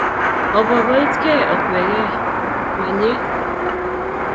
Opoipoiti key akwegey ,manye?